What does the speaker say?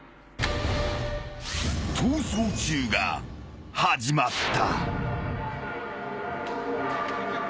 ［『逃走中』が始まった］